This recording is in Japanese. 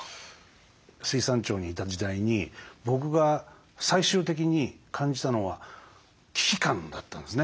水産庁にいた時代に僕が最終的に感じたのは危機感だったんですね。